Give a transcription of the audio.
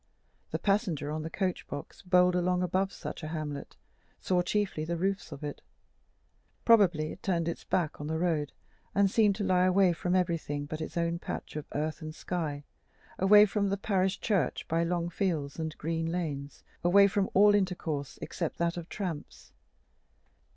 The passenger on the coach box, bowled along above such a hamlet, saw chiefly the roofs of it: probably it turned its back on the road, and seemed to lie away from everything but its own patch of earth and sky, away from the parish church by long fields and green lanes, away from all intercourse except that of tramps.